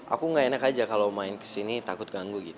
aku gak enak aja kalau main kesini takut ganggu gitu